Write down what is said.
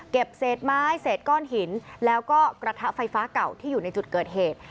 เศษไม้เศษก้อนหินแล้วก็กระทะไฟฟ้าเก่าที่อยู่ในจุดเกิดเหตุ